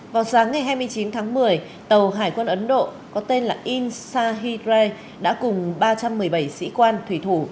vào sáng ngày hai mươi chín tháng một mươi tàu hải quân ấn độ có tên là in sahidre đã cùng ba trăm một mươi bảy sĩ quan thủy thủ